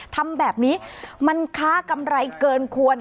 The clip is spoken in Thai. ทำแบบนี้มันค้ากำไรเกินควร